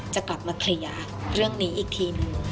จะกลับมาเคลียร์เรื่องนี้อีกทีหนึ่ง